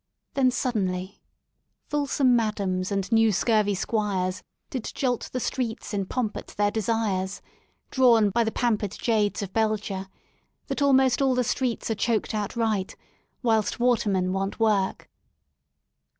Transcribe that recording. Then suddenly: Fulsome madams and new scurvy squires Did jolt the streets in pomp at their destres ,.. Drawn by the pampered jades of Belgia .., That almost all the streets are choked outright Whilst watermen want work.